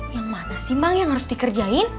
yang mana sih mang yang harus dikerjain